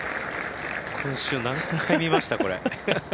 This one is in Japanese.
今週、何回見ました？